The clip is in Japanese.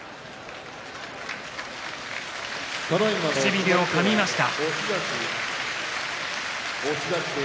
唇をかみました。